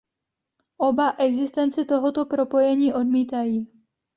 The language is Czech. Oba existenci tohoto propojení odmítají.